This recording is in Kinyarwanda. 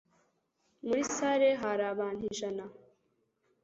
Muri salle hari abantu ijana.